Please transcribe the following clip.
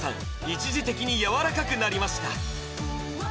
一時的にやわらかくなりました